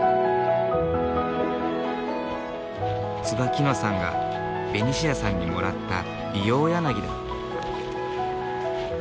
椿野さんがベニシアさんにもらったビヨウヤナギだ。